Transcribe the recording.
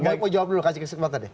mau jawab dulu kasih kesempatan ya